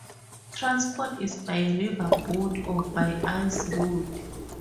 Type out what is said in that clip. Transport is by river boat or by ice road.